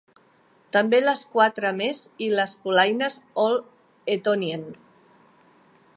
"També les quatre més i les polaines Old Etonian."